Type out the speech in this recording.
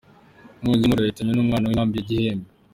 Inkongi y’umuriro yahitanye umwana mu nkambi ya Gihembe.